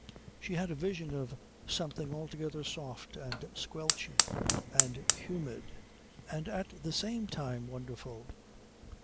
She had a vision of something altogether soft and squelchy and humid and at the same time wonderful.